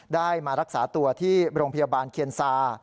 ได้มารักษาตัวที่โรงพยาบาลเคียนซา